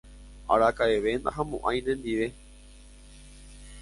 araka'eve ndahamo'ãi nendive